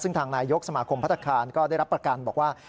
ซึ่งทางนายยกสมาคมพัฒนาคารก็ได้รับประกันบอกว่า